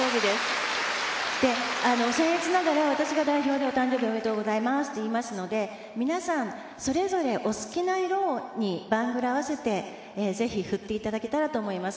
「で僭越ながら私が代表でお誕生日おめでとうございますって言いますので皆さんそれぞれお好きな色にバングルを合わせてぜひ振って頂けたらと思います」